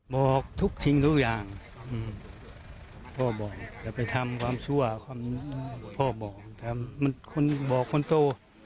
บอกทุกสิ่งทุกอย่างพ่อบอกจะไปทำความซั่วพ่อบอกแต่บอกคนโต